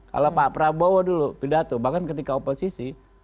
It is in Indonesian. kalau pak prabowo dulu pidato bahkan ketika oposisi